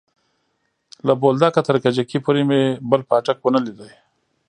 له بولدکه تر کجکي پورې مې بل پاټک ونه ليد.